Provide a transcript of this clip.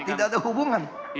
tidak ada hubungan